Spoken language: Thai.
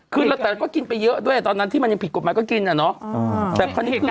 คือแต่ก็กินไปเยอะด้วยตอนนั้นที่มันยังผิดกฎหมายก็กินอ่ะเนาะ